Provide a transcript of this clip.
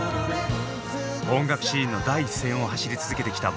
音楽シーンの第一線を走り続けてきた